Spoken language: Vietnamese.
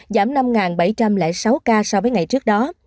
giảm năm bảy trăm linh sáu ca so với ngày trước đó